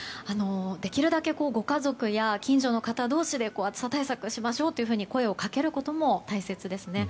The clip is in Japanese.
できるだけご家族や近所の方同士で暑さ対策をしましょうと声をかけることも大切ですね。